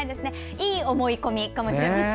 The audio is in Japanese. いい思い込みかもしれません。